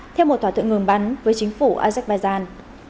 theo một thỏa thuận ngừng bắn với chính phủ azerbaijan